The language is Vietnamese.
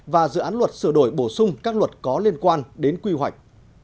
và dự án luật sửa đổi bổ sung các luật có liên quan đến quy hoạch